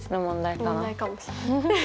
問題かもしれない。